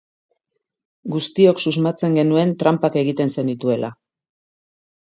Guztiok susmatzen genuen tranpak egiten zenituela.